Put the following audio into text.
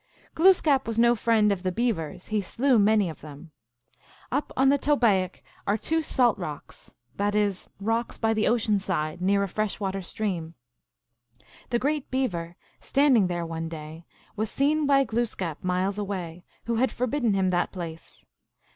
Glooskap was no friend of the Beavers ; he slew many of them. Up on the Tobaic are two salt water rocks (that is, rocks by the ocean side, near a fresh water stream). The Great Beaver, standing there one day, was seen by Glooskap miles away, who had forbidden him that place.